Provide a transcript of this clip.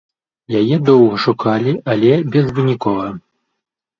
Яе доўга шукалі, але безвынікова.